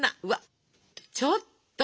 ちょっと！